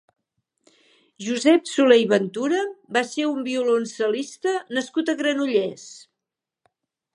Josep Soler i Ventura va ser un violoncel·lista nascut a Granollers.